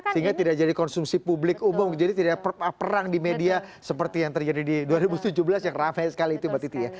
sehingga tidak jadi konsumsi publik umum jadi tidak perang di media seperti yang terjadi di dua ribu tujuh belas yang ramai sekali itu mbak titi ya